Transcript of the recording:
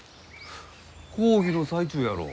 講義の最中やろう。